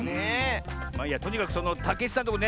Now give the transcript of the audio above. まあいいやとにかくそのたけちさんのとこね